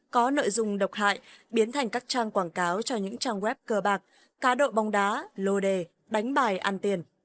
có nội dung độc hại biến thành các trang quảng cáo cho những trang web cơ bạc cá độ bóng đá lô đề đánh bài ăn tiền